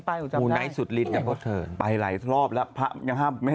ผมจำที่คุณพาผมไปหาพระที่นั่นบ่อย